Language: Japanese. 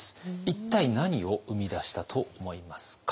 一体何を生み出したと思いますか？